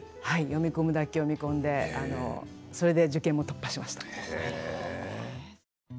はい読み込むだけ読み込んでそれで受験も突破しました。